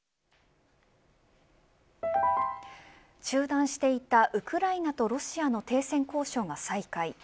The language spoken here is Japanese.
中断していたウクライナとロシアの停戦交渉が再開